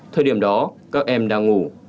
thời điểm đó các em đang ngủ